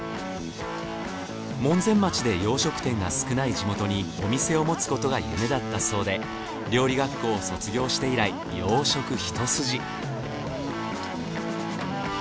門前町で洋食店が少ない地元にお店を持つことが夢だったそうで料理学校を卒業して以来洋食ひとすじ。